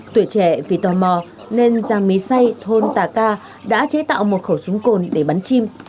tuổi trẻ vì tò mò nên giàng mỹ say thôn tà ca đã chế tạo một khẩu súng cồn để bắn chim